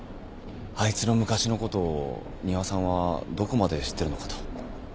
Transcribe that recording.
あいつの昔のことを仁和さんはどこまで知ってるのかと。